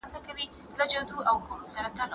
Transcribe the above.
د ښوونځیو په نصاب کي د سولې په اړه فصلونه نه وو.